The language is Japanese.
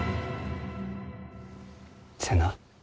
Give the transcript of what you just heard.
瀬名。